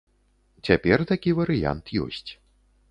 Цяпер такі варыянт ёсць.